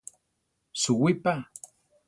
Suwí pa!